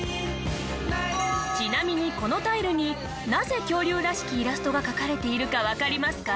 ちなみにこのタイルになぜ恐竜らしきイラストが描かれているかわかりますか？